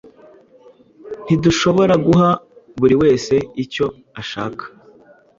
Ntidushobora guha buri wese icyo ashaka.